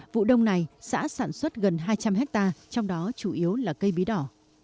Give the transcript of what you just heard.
vụ đông này xã sản xuất gần hai trăm linh hectare trong đó chủ yếu là cây bí đỏ